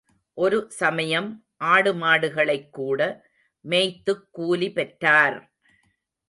ஒரு சமயம் ஆடுமாடுகளைக் கூட மேய்த்துக் கூலி பெற்றார்!